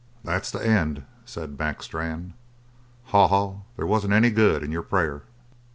"That's the end," said Mac Strann. "Haw Haw, they wasn't any good in your prayer."